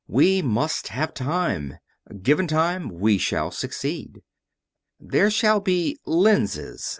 We must have time ... given time, we shall succeed. There shall be Lenses